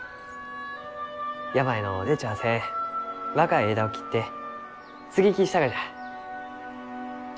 病の出ちゃあせん若い枝を切って接ぎ木したがじゃ。